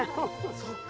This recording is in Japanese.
そっか。